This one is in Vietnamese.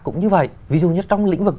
cũng như vậy ví dụ như trong lĩnh vực